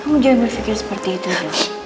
kamu jangan berpikir seperti itu